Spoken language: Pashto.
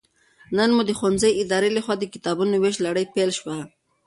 نن مو د ښوونځي ادارې لخوا د کتابونو ويش لړۍ پيل شوه